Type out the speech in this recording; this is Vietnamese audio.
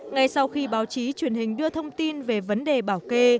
ngay sau khi báo chí truyền hình đưa thông tin về vấn đề bảo kê